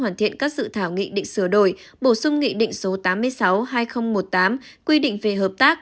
hoàn thiện các dự thảo nghị định sửa đổi bổ sung nghị định số tám mươi sáu hai nghìn một mươi tám quy định về hợp tác